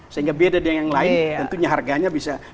sehingga beda dengan yang lain tentunya harganya bisa